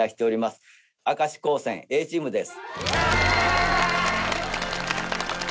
明石高専Ａチームです。